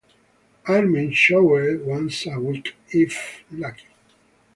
Airmen showered once a week, if lucky.